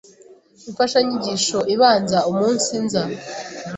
Imfashanyigisho ibanza umunsiza